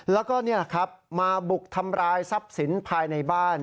แล้วก็มาบุกทำร้ายทรัพย์สินภายในบ้าน